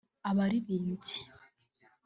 Abaririmbyi